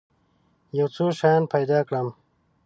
یو څو شیان پیدا کړم.